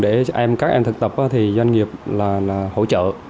để các em thực tập thì doanh nghiệp là hỗ trợ